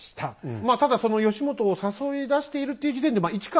まあただその義元を誘い出しているっていう時点でまあ一か八かではない。